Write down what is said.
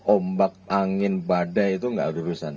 ombak angin badai itu gak ada urusan